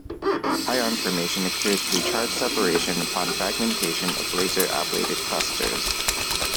Ion formation occurs through charge separation upon fragmentation of laser ablated clusters.